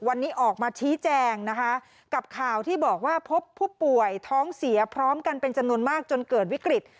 วันนี้ออกมาชี้แจงนะคะกับข่าวที่บอกว่าพบผู้ป่วยท้องเสียพร้อมกันเป็นจำนวนมากจนเกิดวิกฤต